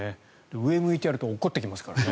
上を向いてやると落っこちてきますからね。